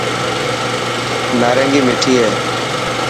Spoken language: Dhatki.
نارنگي مٺي هي.